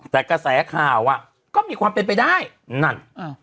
แต่กระแสข่าวอ่ะก็มีความเป็นไปได้นั่นอ่า